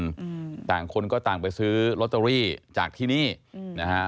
อืมต่างคนก็ต่างไปซื้อลอตเตอรี่จากที่นี่อืมนะฮะ